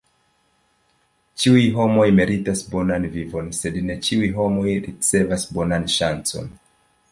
Ĉiuj homoj meritas bonan vivon, sed ne ĉiuj homoj ricevas bonan ŝancon.